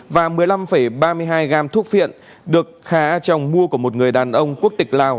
và một mươi năm ba mươi hai gam thuốc phiện được khà a trồng mua của một người đàn ông quốc tịch lào